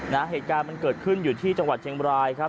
เหตุการณ์มันเกิดขึ้นอยู่ที่จังหวัดเชียงบรายครับ